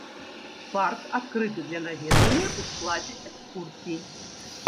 Парк адкрыты для наведвання ў складзе экскурсій.